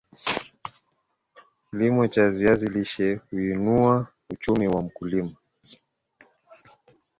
Kilimo cha viazi lishe huinua uchumi wa mkulima